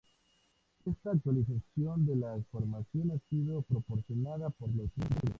Esta 'actualización' de la información ha sido proporcionada por los mismos integrantes del grupo.